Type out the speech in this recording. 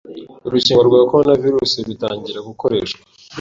Urukingo rwa Coronavirus rutangira gukoreshwa